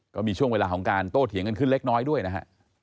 ก็มีช่วงเวลาของการโต้เถียงกันขึ้นเล็กน้อยด้วยนะฮะ